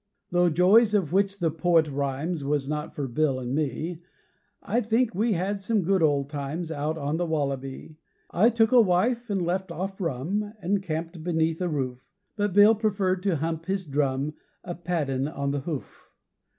Though joys of which the poet rhymes Was not for Bill an' me, I think we had some good old times Out on the wallaby. I took a wife and left off rum, An' camped beneath a roof; But Bill preferred to hump his drum A paddin' of the hoof.